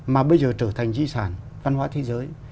mà bây giờ trở thành di sản văn hóa thế giới